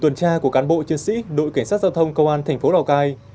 trước khi tham gia của cán bộ chuyên sĩ đội cảnh sát giao thông công an thành phố lào cai